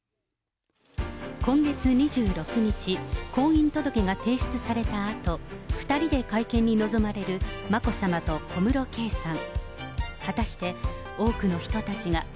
今月２６日、婚姻届が提出されたあと、２人で会見に臨まれる眞子さまと小室圭さん。